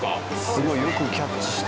すごい。よくキャッチして。